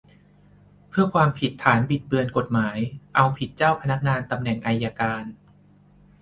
เพิ่มความผิดฐานบิดเบือนกฎหมาย เอาผิดเจ้าพนักงานตำแหน่งอัยการ